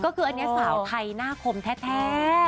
ก็คืออันนี้สาวไทยหน้าคมแท้